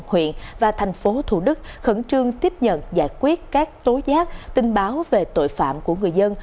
huyện và thành phố thủ đức khẩn trương tiếp nhận giải quyết các tố giác tin báo về tội phạm của người dân